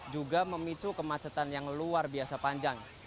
juga memicu kemacetan yang luar biasa panjang